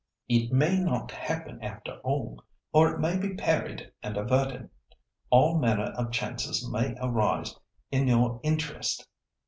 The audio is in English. "It may not happen after all, or it may be parried and averted. All manner of chances may arise in your interest.